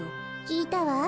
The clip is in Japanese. きいたわ。